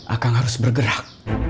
akang harus bergerak